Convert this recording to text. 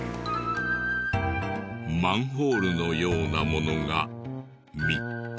マンホールのようなものが３つ。